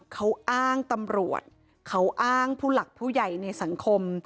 เขาอ้างตำรวจเขาอ้างผู้หลักผู้ใหญ่ในสังคม